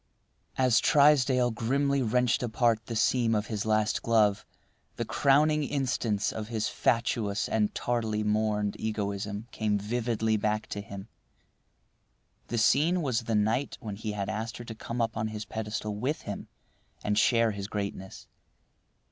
As Trysdale grimly wrenched apart the seam of his last glove, the crowning instance of his fatuous and tardily mourned egoism came vividly back to him. The scene was the night when he had asked her to come up on his pedestal with him and share his greatness.